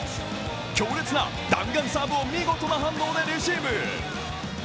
強烈な弾丸サーブを見事な反応でレシーブ。